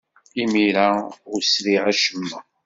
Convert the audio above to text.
Imir-a, ur sriɣ acemma.